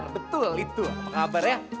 betul itu apa kabar ya